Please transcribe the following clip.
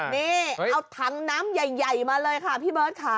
นี่เอาถังน้ำใหญ่มาเลยค่ะพี่เบิร์ตค่ะ